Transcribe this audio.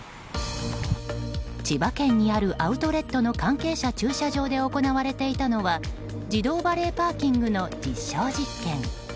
千葉県にあるアウトレットの関係者駐車場で行われていたのは自動バレーパーキングの実証実験。